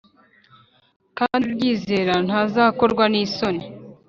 kandi uryizera ntazakorwa n’isoni